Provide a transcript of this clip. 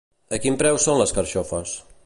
A quin preu són les carxofes?